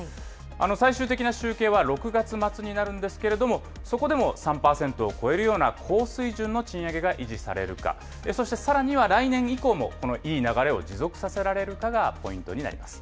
最終的な集計は６月末になるんですけれども、そこでも３％を超えるような高水準の賃上げが維持されるか、そしてさらには来年以降も、このいい流れを持続させられるかがポイントになります。